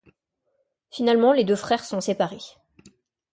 Finalement, les deux frères sont séparés.